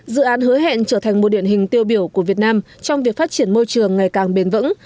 dự án hứa hẹn trở thành một điện hình tiêu biểu của việt nam trong việc phát triển môi trường ngày càng bền vững